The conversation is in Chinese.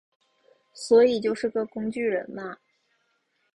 所以就是个工具人嘛